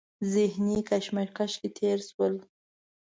ذهني کشمکش کې تېر شول.